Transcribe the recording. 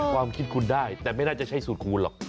ความคิดคุณได้แต่ไม่น่าจะใช้สูตรคูณหรอก